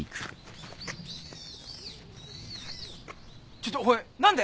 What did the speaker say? ちょっとおい何で？